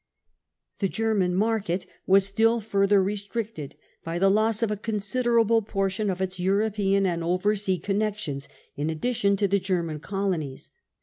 The German market was still further restricted by the loss of a considerable portion of its European and oversea con nections in addition to the German colonies.